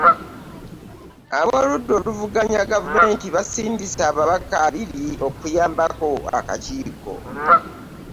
Ab'oludda oluwabula gavumenti basindise ababaka abiri okuyambako akakiiko.